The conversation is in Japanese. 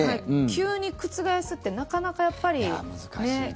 急に覆すってなかなかやっぱりね。